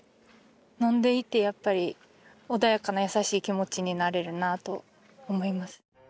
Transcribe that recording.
飲んでいてやっぱり穏やかな優しい気持ちになれるなと思います。